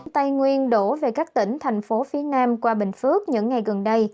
tây nguyên đổ về các tỉnh thành phố phía nam qua bình phước những ngày gần đây